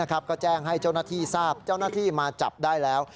ก็แจ้งให้เจ้าหน้าที่ทราบเจ้าหน้าที่มาจับได้แล้ว